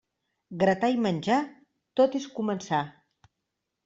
Gratar i menjar, tot és començar.